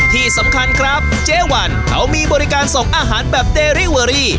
ที่สำคัญครับเจ๊วันเขามีบริการส่งอาหารแบบเดริเวอรี่